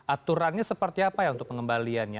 aturannya seperti apa ya untuk pengembaliannya